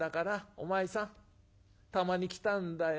お前さんたまに来たんだよ